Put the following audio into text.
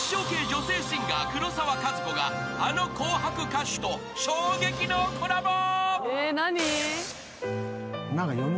女性シンガー黒沢かずこがあの『紅白』歌手と衝撃のコラボ］